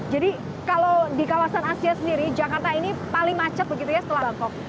jadi kalau di kawasan asia sendiri jakarta ini paling macet begitu ya setelah bangkok